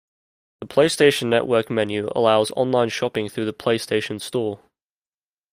The PlayStation Network menu allows online shopping through the PlayStation Store.